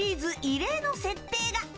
異例の設定が。